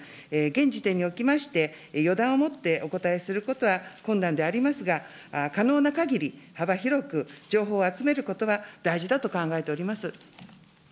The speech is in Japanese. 現時点におきまして、予断を持ってお答えすることは困難でありますが、可能なかぎり幅広く情報を集めることは大事だと考えております。